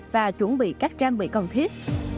và chuẩn bị các trang bị cần thiết